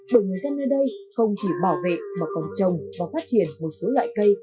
bởi người dân nơi đây không chỉ bảo vệ mà còn trồng và phát triển một số loại cây